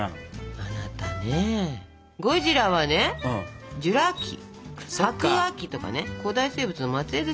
あなたねゴジラはねジュラ紀白亜紀とかね古代生物の末えいです